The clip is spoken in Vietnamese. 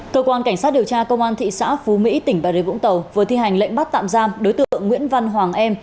cơ quan cảnh sát điều tra công an thị xã phú mỹ tỉnh bà rịa vũng tàu vừa thi hành lệnh bắt tạm giam đối tượng nguyễn văn hoàng em